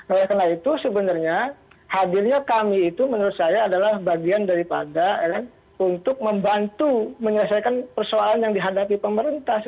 oleh karena itu sebenarnya hadirnya kami itu menurut saya adalah bagian daripada untuk membantu menyelesaikan persoalan yang dihadapi pemerintah